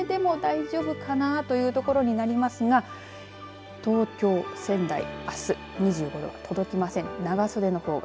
まだ半袖でも大丈夫かなというところになりますが東京、仙台、あす２５度届きません。